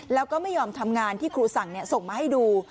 แล้วก็ไม่ยอมทำงานที่ครูสั่งส่งมาให้ดู